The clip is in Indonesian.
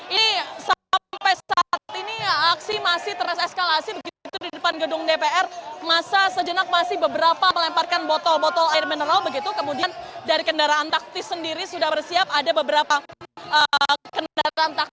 ini sampai saat ini aksi masih tereskalasi begitu di depan gedung dpr masa sejenak masih beberapa melemparkan botol botol air mineral begitu kemudian dari kendaraan taktis sendiri sudah bersiap ada beberapa kendaraan taktis